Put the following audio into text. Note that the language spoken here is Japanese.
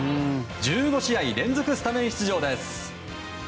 １５試合連続スタメン出場です。